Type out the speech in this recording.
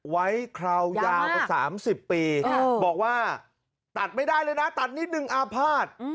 คราวยาวมา๓๐ปีบอกว่าตัดไม่ได้เลยนะตัดนิดนึงอาภาษณ์